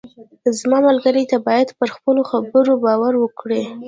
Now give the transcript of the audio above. زما ملګری، ته باید پر خپلو خبرو باور وکړې.